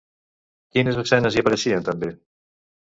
Quines escenes hi apareixen també?